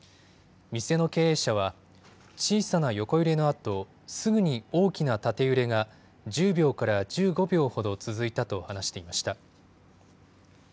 店の経営者は、小さな横揺れのあと、すぐに大きな縦揺れが１０秒から１５秒ほど続いたと話していました。